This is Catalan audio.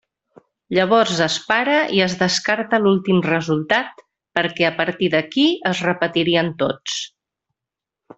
Llavors es para i es descarta l'últim resultat perquè a partir d'aquí es repetirien tots.